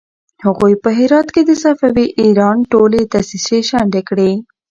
هغوی په هرات کې د صفوي ایران ټولې دسيسې شنډې کړې.